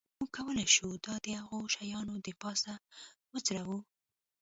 موږ کولی شو دا د هغو شیانو د پاسه وځړوو